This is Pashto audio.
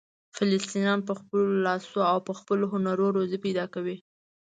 فلسطینیان په خپلو لاسونو او خپلو هنرونو روزي پیدا کوي.